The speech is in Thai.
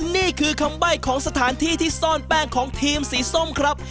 นี่คือคำใบ้ของสถานที่ที่ซ่อนแป้งของทีมสีส้มครับ